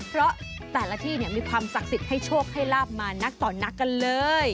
เพราะแต่ละที่มีความศักดิ์สิทธิ์ให้โชคให้ลาบมานักต่อนักกันเลย